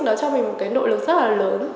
đó cho mình một cái nội lực rất là lớn